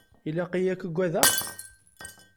Ilaq-iyi ad k-agadeɣ?